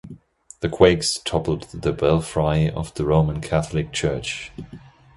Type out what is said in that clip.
The quakes toppled the belfry of the Roman Catholic Church.